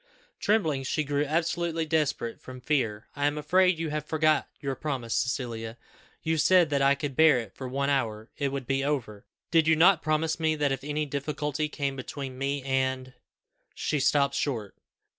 Trembling, she grew absolutely desperate from fear. "I am afraid you have forgot your promise, Cecilia; you said that if I could bear it for one hour, it would be over. Did you not promise me that if any difficulty came between me and " She stopped short.